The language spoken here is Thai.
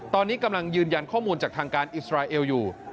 ตอนนี้กำลังยืนยันข้อมูลจากทางการอิสราเอลอยู่